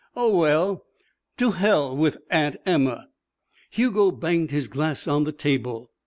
Oh, well, to hell with Aunt Emma." Hugo banged his glass on the table.